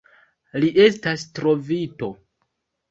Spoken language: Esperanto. Li estas trovito.